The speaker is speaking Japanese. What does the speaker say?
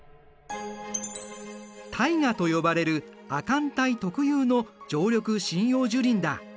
タイガと呼ばれる亜寒帯特有の常緑針葉樹林だ。